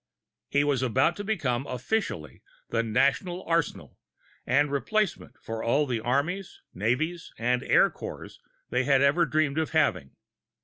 He was about to become officially the National Arsenal and replacement for all the armies, navies, and air corps they had ever dreamed of having.